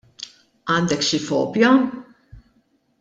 Għandek xi fobja?